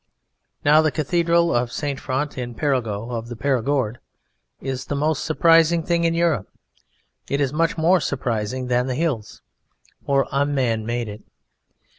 Now the cathedral of St. Front in Perigeux of the Perigord is the most surprising thing in Europe. It is much more surprising than the hills for a man made it.